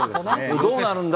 どうなるんだ？